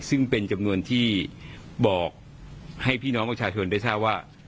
ซึ่งเป็นจำนวนที่บอกให้พี่น้องประชาชนได้ทราบว่า